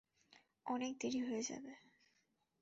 অনেক দেরি হয়ে যাবে!